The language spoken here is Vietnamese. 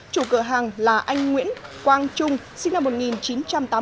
chủ cửa hàng là anh nguyễn quang trung sinh năm một nghìn chín trăm tám mươi bốn